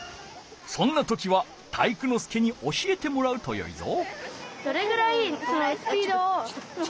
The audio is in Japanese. そんな時は体育ノ介に教えてもらうとよいぞ。